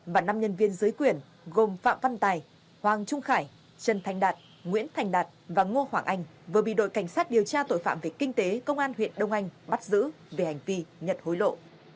và năm nhân viên dưới quyền gồm phạm văn tài hoàng trung hải trần thanh đạt nguyễn thành đạt và ngô hoàng anh vừa bị đội cảnh sát điều tra tội phạm về kinh tế công an huyện đông anh bắt giữ về hành vi nhận hối lộ